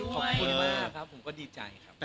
ขอบคุณมากครับผมอยากดีใจค่ะ